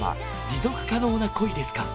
「持続可能な恋ですか？」